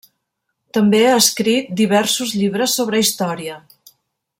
També ha escrit diversos llibres sobre història.